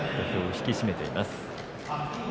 気を引き締めています。